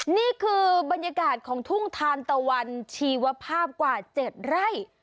นี่คือบรรยากาศของทุ่งทานตะวันชีวภาพกว่า๗ไร่